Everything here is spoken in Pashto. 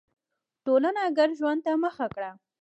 ټولنو ګډ ژوند ته مخه کړه.